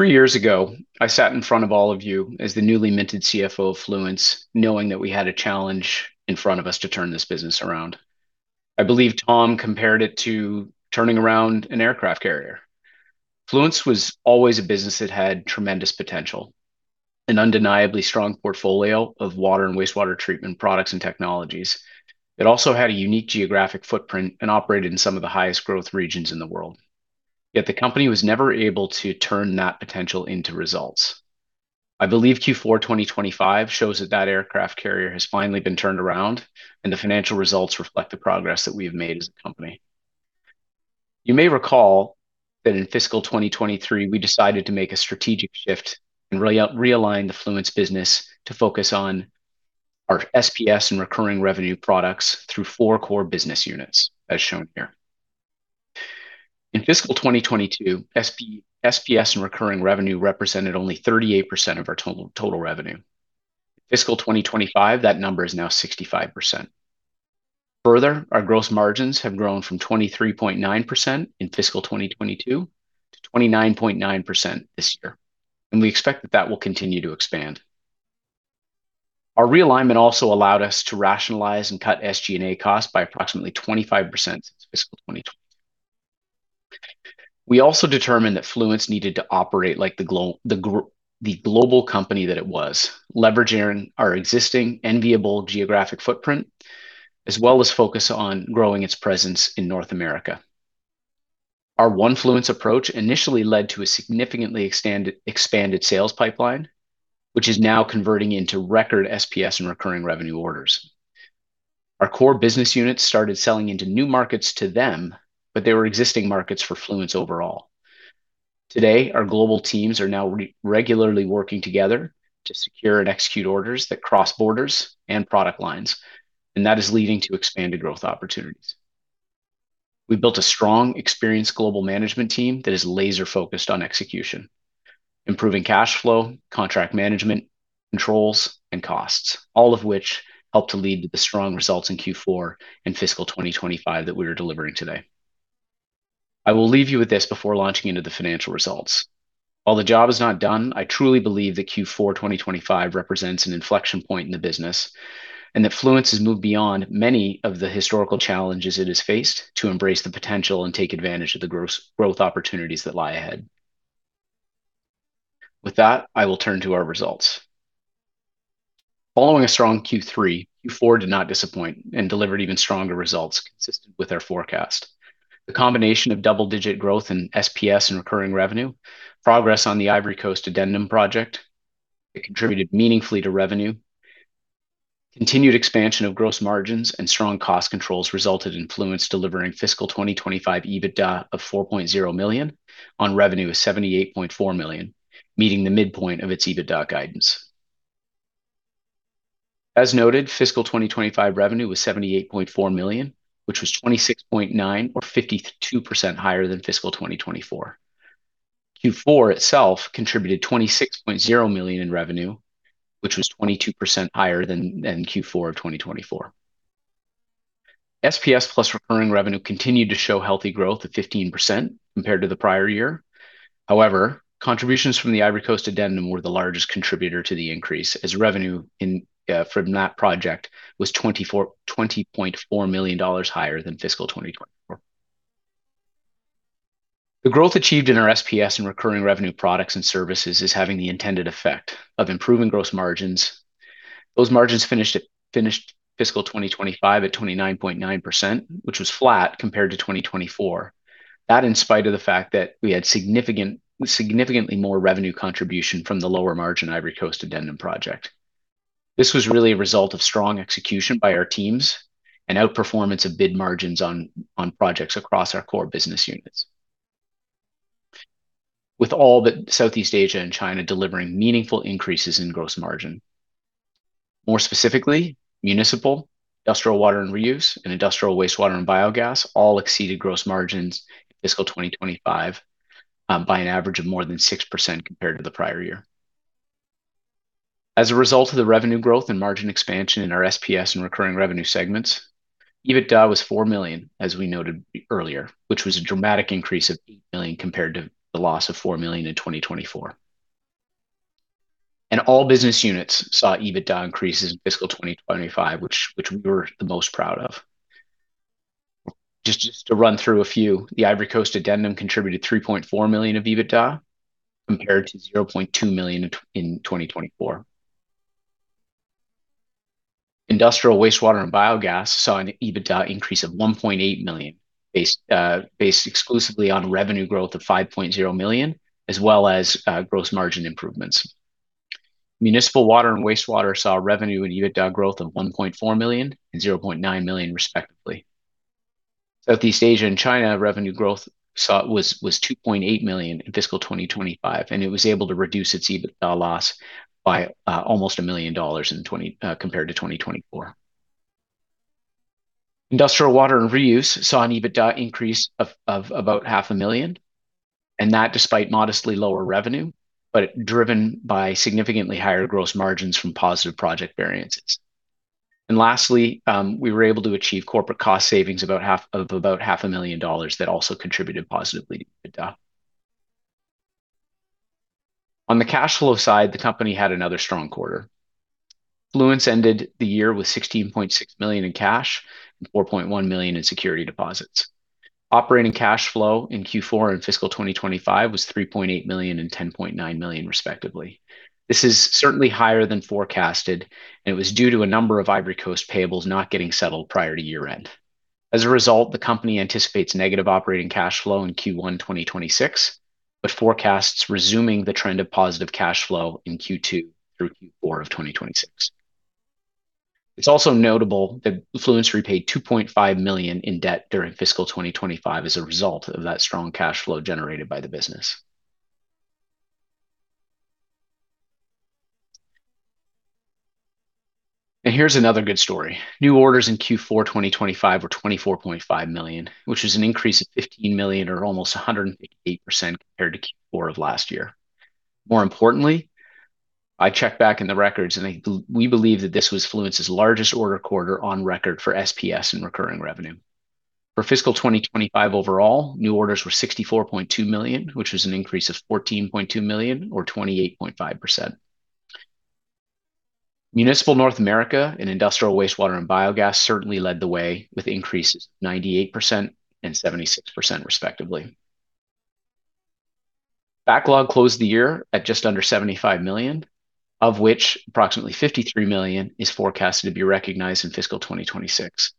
Okay. Three years ago, I sat in front of all of you as the newly minted CFO of Fluence, knowing that we had a challenge in front of us to turn this business around. I believe Tom compared it to turning around an aircraft carrier. Fluence was always a business that had tremendous potential, an undeniably strong portfolio of water and wastewater treatment products and technologies. It also had a unique geographic footprint and operated in some of the highest growth regions in the world. Yet the company was never able to turn that potential into results. I believe Q4 2025 shows that that aircraft carrier has finally been turned around, and the financial results reflect the progress that we have made as a company. You may recall that in fiscal 2023, we decided to make a strategic shift and realign the Fluence business to focus on our SPS and recurring revenue products through four core business units, as shown here. In fiscal 2022, SPS and recurring revenue represented only 38% of our total revenue. In fiscal 2025, that number is now 65%. Further, our gross margins have grown from 23.9% in fiscal 2022 to 29.9% this year, and we expect that that will continue to expand. Our realignment also allowed us to rationalize and cut SG&A costs by approximately 25% since fiscal 2022. We also determined that Fluence needed to operate like the global company that it was, leveraging our existing enviable geographic footprint, as well as focus on growing its presence in North America. Our One Fluence approach initially led to a significantly expanded sales pipeline, which is now converting into record SPS and recurring revenue orders. Our core business units started selling into new markets to them, but there were existing markets for Fluence overall. Today, our global teams are now regularly working together to secure and execute orders that cross borders and product lines, and that is leading to expanded growth opportunities. We built a strong, experienced global management team that is laser-focused on execution, improving cash flow, contract management, controls, and costs, all of which helped to lead to the strong results in Q4 and fiscal 2025 that we are delivering today. I will leave you with this before launching into the financial results. While the job is not done, I truly believe that Q4 2025 represents an inflection point in the business and that Fluence has moved beyond many of the historical challenges it has faced to embrace the potential and take advantage of the growth opportunities that lie ahead. With that, I will turn to our results. Following a strong Q3, Q4 did not disappoint and delivered even stronger results consistent with our forecast. The combination of double-digit growth in SPS and recurring revenue, progress on the Ivory Coast addendum project that contributed meaningfully to revenue, continued expansion of gross margins, and strong cost controls resulted in Fluence delivering fiscal 2025 EBITDA of $4.0 million on revenue of $78.4 million, meeting the midpoint of its EBITDA guidance. As noted, fiscal 2025 revenue was $78.4 million, which was $26.9 million or 52% higher than fiscal 2024. Q4 itself contributed $26.0 million in revenue, which was 22% higher than Q4 of 2024. SPS plus recurring revenue continued to show healthy growth of 15% compared to the prior year. However, contributions from the Ivory Coast addendum were the largest contributor to the increase, as revenue from that project was $20.4 million higher than fiscal 2024. The growth achieved in our SPS and recurring revenue products and services is having the intended effect of improving gross margins. Those margins finished fiscal 2025 at 29.9%, which was flat compared to 2024. That in spite of the fact that we had significantly more revenue contribution from the lower margin Ivory Coast addendum project. This was really a result of strong execution by our teams and outperformance of bid margins on projects across our core business units, with all but Southeast Asia and China delivering meaningful increases in gross margin. More specifically, municipal, industrial water and reuse, and industrial wastewater and biogas all exceeded gross margins in fiscal 2025 by an average of more than 6% compared to the prior year. As a result of the revenue growth and margin expansion in our SPS and recurring revenue segments, EBITDA was $4 million, as we noted earlier, which was a dramatic increase of $8 million compared to the loss of $4 million in 2024. All business units saw EBITDA increases in fiscal 2025, which we were the most proud of. Just to run through a few, the Ivory Coast addendum contributed $3.4 million of EBITDA compared to $0.2 million in 2024. Industrial wastewater and biogas saw an EBITDA increase of $1.8 million based exclusively on revenue growth of $5.0 million, as well as gross margin improvements. Municipal water and wastewater saw revenue and EBITDA growth of $1.4 million and $0.9 million, respectively. Southeast Asia and China revenue growth was $2.8 million in fiscal 2025, and it was able to reduce its EBITDA loss by almost $1 million compared to 2024. Industrial water and reuse saw an EBITDA increase of about $500,000, and that despite modestly lower revenue, but driven by significantly higher gross margins from positive project variances. Lastly, we were able to achieve corporate cost savings of about $500,000 that also contributed positively to EBITDA. On the cash flow side, the company had another strong quarter. Fluence ended the year with $16.6 million in cash and $4.1 million in security deposits. Operating cash flow in Q4 and fiscal 2025 was $3.8 million and $10.9 million, respectively. This is certainly higher than forecasted, and it was due to a number of Ivory Coast payables not getting settled prior to year-end. As a result, the company anticipates negative operating cash flow in Q1 2026, but forecasts resuming the trend of positive cash flow in Q2 through Q4 of 2026. It's also notable that Fluence repaid $2.5 million in debt during fiscal 2025 as a result of that strong cash flow generated by the business. Here's another good story. New orders in Q4 2025 were $24.5 million, which was an increase of $15 million or almost 158% compared to Q4 of last year. More importantly, I checked back in the records, and we believe that this was Fluence's largest order quarter on record for SPS and recurring revenue. For fiscal 2025 overall, new orders were $64.2 million, which was an increase of $14.2 million or 28.5%. Municipal North America and industrial wastewater and biogas certainly led the way with increases of 98% and 76%, respectively. Backlog closed the year at just under $75 million, of which approximately $53 million is forecasted to be recognized in fiscal 2026.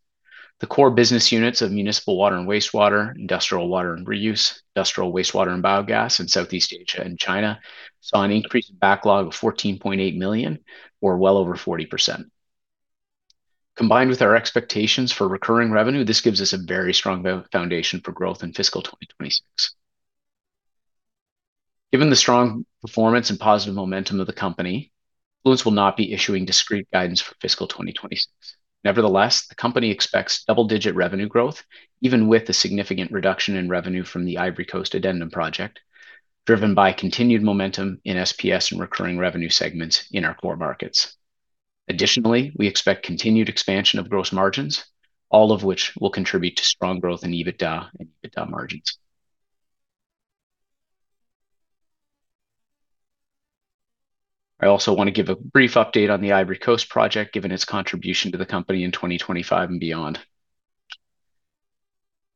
The core business units of municipal water and wastewater, industrial water and reuse, industrial wastewater and biogas in Southeast Asia and China saw an increase in backlog of $14.8 million or well over 40%. Combined with our expectations for recurring revenue, this gives us a very strong foundation for growth in fiscal 2026. Given the strong performance and positive momentum of the company, Fluence will not be issuing discrete guidance for fiscal 2026. Nevertheless, the company expects double-digit revenue growth, even with a significant reduction in revenue from the Ivory Coast addendum project, driven by continued momentum in SPS and recurring revenue segments in our core markets. Additionally, we expect continued expansion of gross margins, all of which will contribute to strong growth in EBITDA and EBITDA margins. I also want to give a brief update on the Ivory Coast project, given its contribution to the company in 2025 and beyond.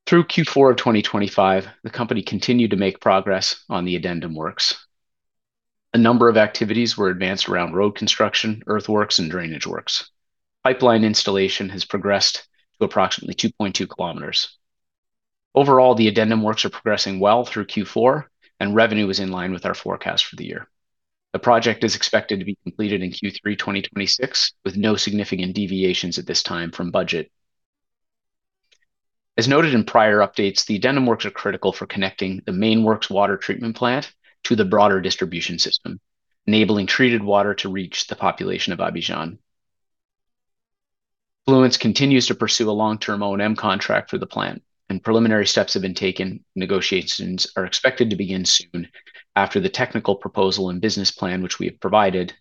Through Q4 of 2025, the company continued to make progress on the addendum works. A number of activities were advanced around road construction, earthworks, and drainage works. Pipeline installation has progressed to approximately 2.2 kilometers. Overall, the addendum works are progressing well through Q4, and revenue is in line with our forecast for the year. The project is expected to be completed in Q3 2026, with no significant deviations at this time from budget. As noted in prior updates, the addendum works are critical for connecting the main works water treatment plant to the broader distribution system, enabling treated water to reach the population of Abidjan. Fluence continues to pursue a long-term O&M contract for the plant, and preliminary steps have been taken. Negotiations are expected to begin soon after the technical proposal and business plan, which we have provided,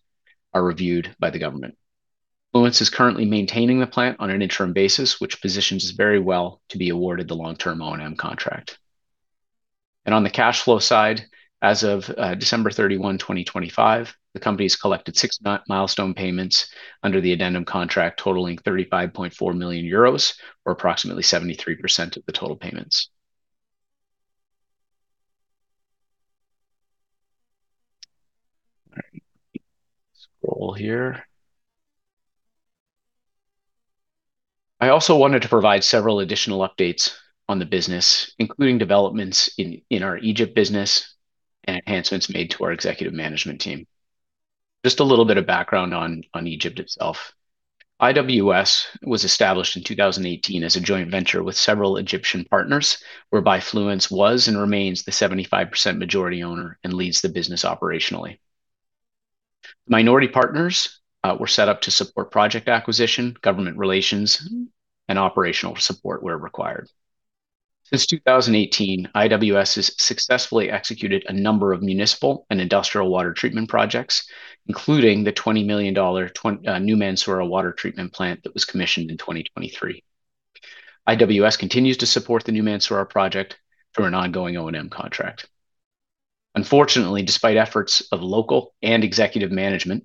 are reviewed by the government. Fluence is currently maintaining the plant on an interim basis, which positions us very well to be awarded the long-term O&M contract. And on the cash flow side, as of December 31, 2025, the company has collected six milestone payments under the addendum contract, totaling 35.4 million euros, or approximately 73% of the total payments. All right. Scroll here. I also wanted to provide several additional updates on the business, including developments in our Egypt business and enhancements made to our executive management team. Just a little bit of background on Egypt itself. IWS was established in 2018 as a joint venture with several Egyptian partners, whereby Fluence was and remains the 75% majority owner and leads the business operationally. Minority partners were set up to support project acquisition, government relations, and operational support where required. Since 2018, IWS has successfully executed a number of municipal and industrial water treatment projects, including the $20 million New Mansoura water treatment plant that was commissioned in 2023. IWS continues to support the New Mansoura project through an ongoing O&M contract. Unfortunately, despite efforts of local and executive management,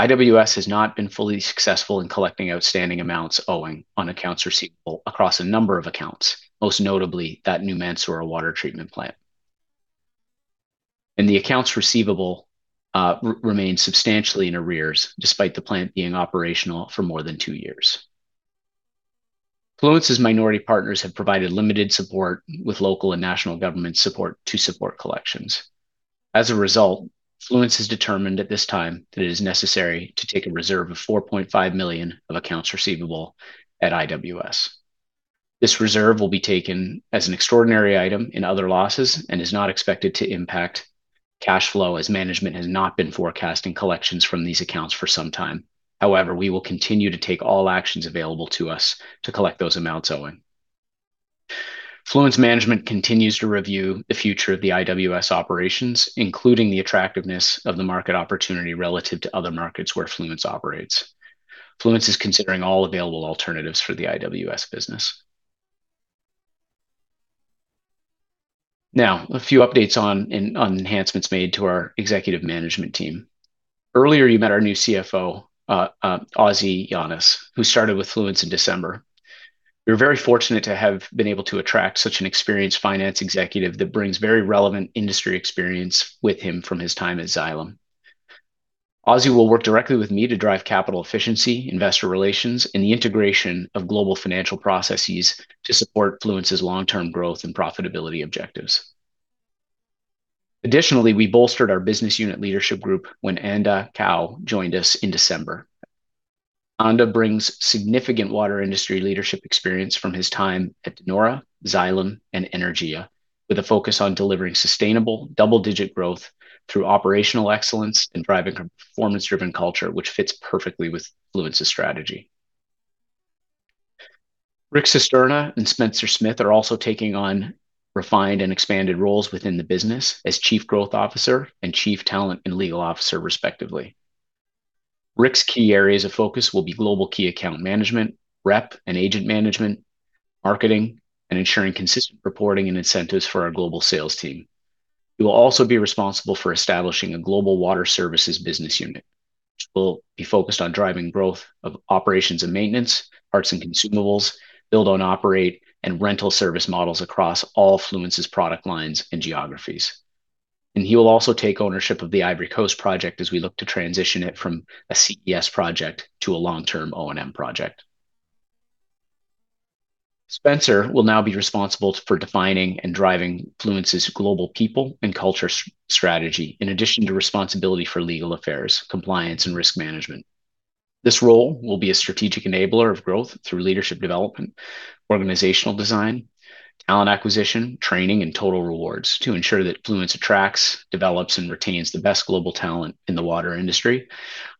IWS has not been fully successful in collecting outstanding amounts owing on accounts receivable across a number of accounts, most notably that New Mansoura water treatment plant. The accounts receivable remain substantially in arrears, despite the plant being operational for more than two years. Fluence's minority partners have provided limited support with local and national government support to support collections. As a result, Fluence has determined at this time that it is necessary to take a reserve of $4.5 million of accounts receivable at IWS. This reserve will be taken as an extraordinary item in other losses and is not expected to impact cash flow, as management has not been forecasting collections from these accounts for some time. However, we will continue to take all actions available to us to collect those amounts owing. Fluence management continues to review the future of the IWS operations, including the attractiveness of the market opportunity relative to other markets where Fluence operates. Fluence is considering all available alternatives for the IWS business. Now, a few updates on enhancements made to our executive management team. Earlier, you met our new CFO, Ozzie Llanes, who started with Fluence in December. We're very fortunate to have been able to attract such an experienced finance executive that brings very relevant industry experience with him from his time at Xylem. Ozzie will work directly with me to drive capital efficiency, investor relations, and the integration of global financial processes to support Fluence's long-term growth and profitability objectives. Additionally, we bolstered our business unit leadership group when Anda Cao joined us in December. Anda brings significant water industry leadership experience from his time at De Nora, Xylem, and Anaergia, with a focus on delivering sustainable double-digit growth through operational excellence and driving a performance-driven culture, which fits perfectly with Fluence's strategy. Rick Cisterna and Spencer Smith are also taking on refined and expanded roles within the business as Chief Growth Officer and Chief Talent and Legal Officer, respectively. Rick's key areas of focus will be global key account management, rep and agent management, marketing, and ensuring consistent reporting and incentives for our global sales team. He will also be responsible for establishing a global water services business unit, which will be focused on driving growth of operations and maintenance, parts and consumables, build-on-operate, and rental service models across all Fluence's product lines and geographies. He will also take ownership of the Ivory Coast project as we look to transition it from a CES project to a long-term O&M project. Spencer will now be responsible for defining and driving Fluence's global people and culture strategy, in addition to responsibility for legal affairs, compliance, and risk management. This role will be a strategic enabler of growth through leadership development, organizational design, talent acquisition, training, and total rewards to ensure that Fluence attracts, develops, and retains the best global talent in the water industry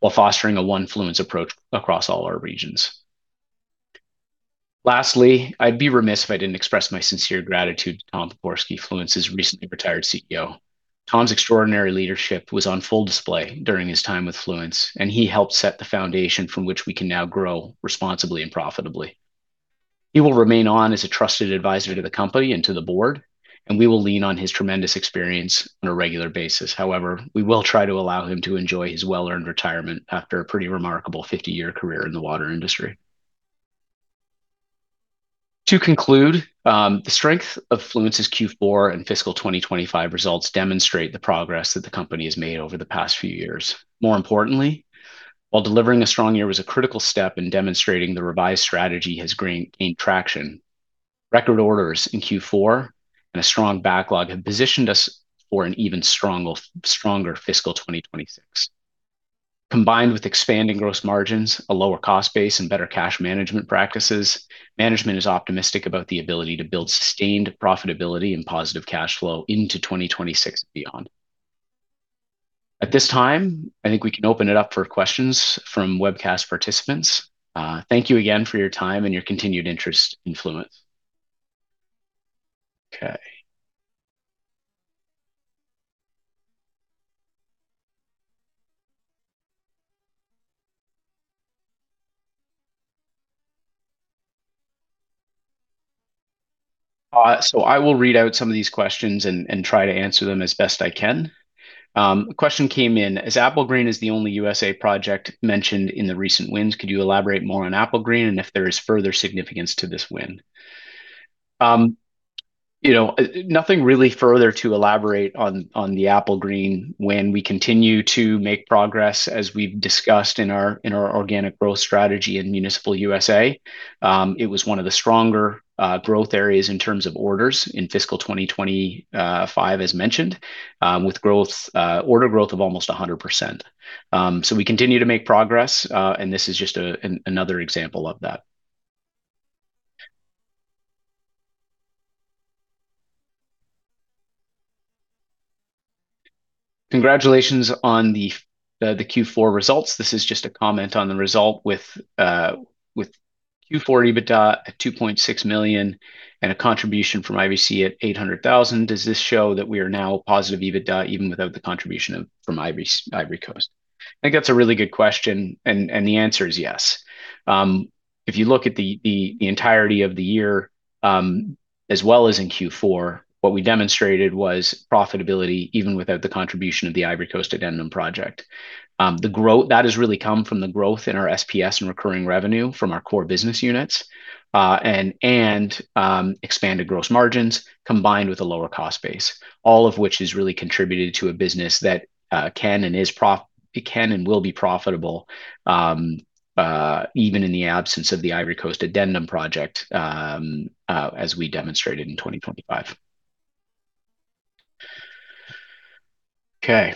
while fostering a One Fluence approach across all our regions. Lastly, I'd be remiss if I didn't express my sincere gratitude to Tom Pokorsky, Fluence's recently retired CEO. Tom's extraordinary leadership was on full display during his time with Fluence, and he helped set the foundation from which we can now grow responsibly and profitably. He will remain on as a trusted advisor to the company and to the board, and we will lean on his tremendous experience on a regular basis. However, we will try to allow him to enjoy his well-earned retirement after a pretty remarkable 50-year career in the water industry. To conclude, the strength of Fluence's Q4 and fiscal 2025 results demonstrate the progress that the company has made over the past few years. More importantly, while delivering a strong year was a critical step in demonstrating the revised strategy has gained traction, record orders in Q4 and a strong backlog have positioned us for an even stronger fiscal 2026. Combined with expanding gross margins, a lower cost base, and better cash management practices, management is optimistic about the ability to build sustained profitability and positive cash flow into 2026 and beyond. At this time, I think we can open it up for questions from webcast participants. Thank you again for your time and your continued interest in Fluence. Okay. So I will read out some of these questions and try to answer them as best I can. A question came in, "Is Applegreen the only USA project mentioned in the recent wins? Could you elaborate more on Applegreen and if there is further significance to this win?" Nothing really further to elaborate on the Applegreen win. We continue to make progress, as we've discussed in our organic growth strategy in municipal USA. It was one of the stronger growth areas in terms of orders in fiscal 2025, as mentioned, with order growth of almost 100%. We continue to make progress, and this is just another example of that. Congratulations on the Q4 results. This is just a comment on the result with Q4 EBITDA at $2.6 million and a contribution from IVC at $800,000. Does this show that we are now positive EBITDA even without the contribution from Ivory Coast? I think that's a really good question, and the answer is yes. If you look at the entirety of the year, as well as in Q4, what we demonstrated was profitability even without the contribution of the Ivory Coast addendum project. That has really come from the growth in our SPS and recurring revenue from our core business units and expanded gross margins combined with a lower cost base, all of which has really contributed to a business that can and is profitable, can and will be profitable even in the absence of the Ivory Coast addendum project, as we demonstrated in 2025. Okay.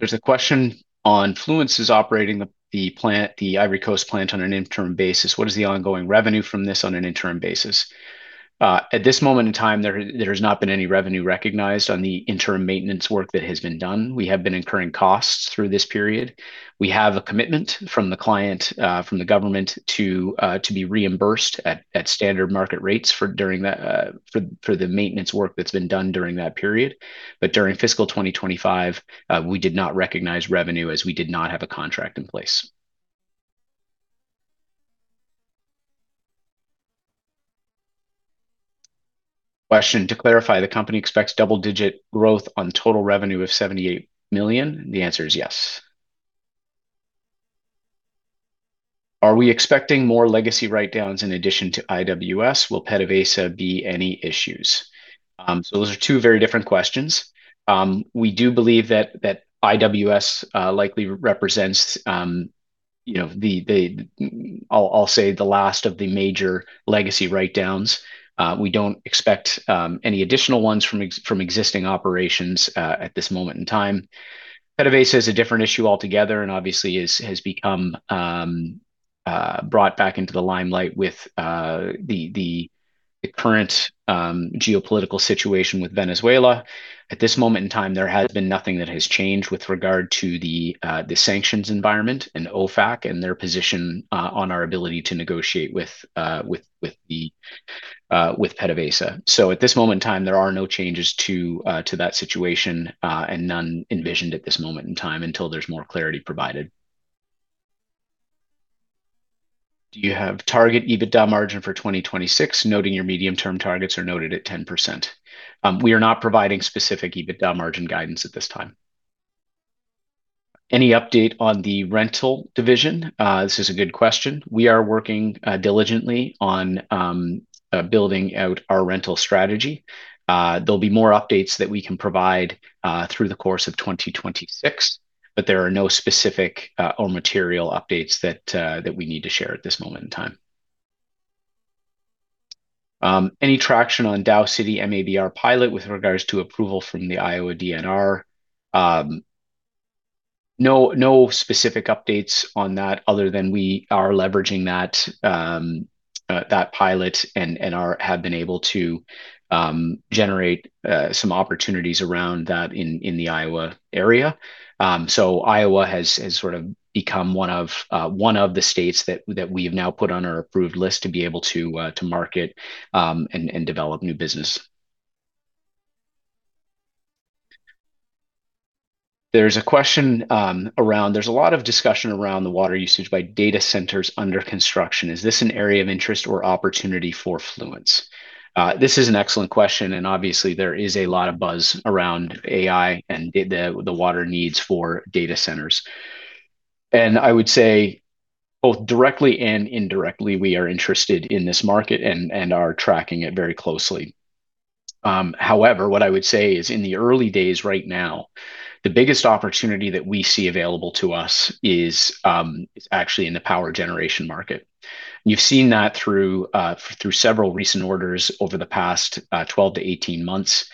There's a question on Fluence's operating the Ivory Coast plant on an interim basis. What is the ongoing revenue from this on an interim basis? At this moment in time, there has not been any revenue recognized on the interim maintenance work that has been done. We have been incurring costs through this period. We have a commitment from the client, from the government, to be reimbursed at standard market rates for the maintenance work that's been done during that period. But during fiscal 2025, we did not recognize revenue as we did not have a contract in place. Question, to clarify, the company expects double-digit growth on total revenue of $78 million. The answer is yes. Are we expecting more legacy write-downs in addition to IWS? Will PDVSA be any issues? So those are two very different questions. We do believe that IWS likely represents, I'll say, the last of the major legacy write-downs. We don't expect any additional ones from existing operations at this moment in time. PDVSA is a different issue altogether and obviously has become brought back into the limelight with the current geopolitical situation with Venezuela. At this moment in time, there has been nothing that has changed with regard to the sanctions environment and OFAC and their position on our ability to negotiate with PDVSA. So at this moment in time, there are no changes to that situation and none envisioned at this moment in time until there's more clarity provided. Do you have target EBITDA margin for 2026? Noting your medium-term targets are noted at 10%. We are not providing specific EBITDA margin guidance at this time. Any update on the rental division? This is a good question. We are working diligently on building out our rental strategy. There'll be more updates that we can provide through the course of 2026, but there are no specific or material updates that we need to share at this moment in time. Any traction on Dow City MABR pilot with regards to approval from the Iowa DNR? No specific updates on that other than we are leveraging that pilot and have been able to generate some opportunities around that in the Iowa area. So Iowa has sort of become one of the states that we have now put on our approved list to be able to market and develop new business. There's a question around, there's a lot of discussion around the water usage by data centers under construction. Is this an area of interest or opportunity for Fluence? This is an excellent question, and obviously, there is a lot of buzz around AI and the water needs for data centers. And I would say both directly and indirectly, we are interested in this market and are tracking it very closely. However, what I would say is in the early days right now, the biggest opportunity that we see available to us is actually in the power generation market. You've seen that through several recent orders over the past 12-18 months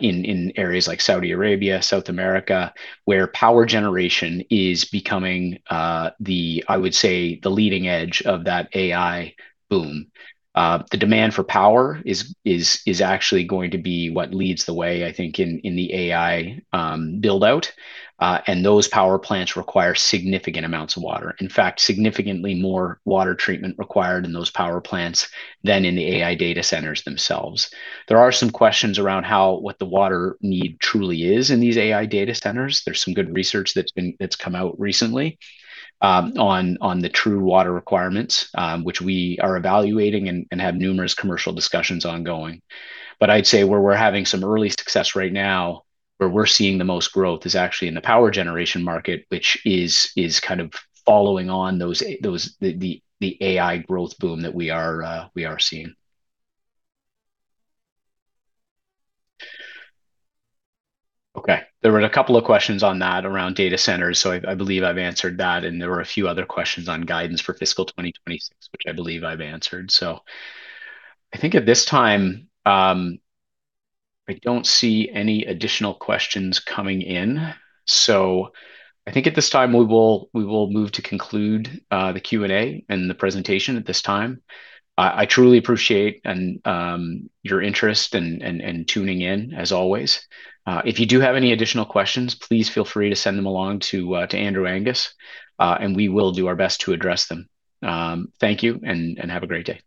in areas like Saudi Arabia, South America, where power generation is becoming, I would say, the leading edge of that AI boom. The demand for power is actually going to be what leads the way, I think, in the AI build-out. And those power plants require significant amounts of water. In fact, significantly more water treatment required in those power plants than in the AI data centers themselves. There are some questions around what the water need truly is in these AI data centers. There's some good research that's come out recently on the true water requirements, which we are evaluating and have numerous commercial discussions ongoing. But I'd say where we're having some early success right now, where we're seeing the most growth, is actually in the power generation market, which is kind of following on the AI growth boom that we are seeing. Okay. There were a couple of questions on that around data centers. So I believe I've answered that. And there were a few other questions on guidance for fiscal 2026, which I believe I've answered. So I think at this time, I don't see any additional questions coming in. So I think at this time, we will move to conclude the Q&A and the presentation at this time. I truly appreciate your interest and tuning in, as always. If you do have any additional questions, please feel free to send them along to Andrew Angus, and we will do our best to address them. Thank you and have a great day.